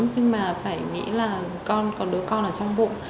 nhưng mà phải nghĩ là con còn đứa con ở trong bụi